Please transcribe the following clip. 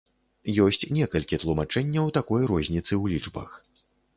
Ёсць некалькі тлумачэнняў такой розніцы ў лічбах.